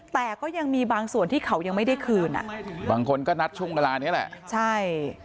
แต่ก็ยังมีบางส่วนที่เขายังไม่ได้คืนอ่ะบางคนก็นัดช่วงเวลานี้แหละใช่